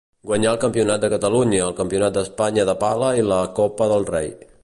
Guanyà el Campionat de Catalunya, el Campionat d'Espanya de pala i la Copa del Rei.